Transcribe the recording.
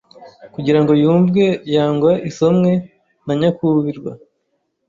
kugira ngo yumvwe yangwa isomwe na nyakuwirwa